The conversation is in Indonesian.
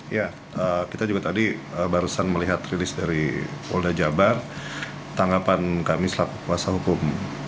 ya kita juga tadi barusan melihat rilis dari polda jabar tanggapan kami selaku kuasa hukum